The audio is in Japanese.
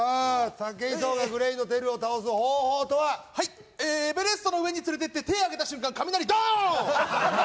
武井壮がＧＬＡＹのＴＥＲＵを倒す方法とははいええエベレストの上に連れてって手あげた瞬間雷ドーン！